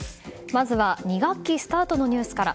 まずは２学期スタートのニュースから。